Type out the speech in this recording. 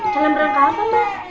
kalah merangkak apa lah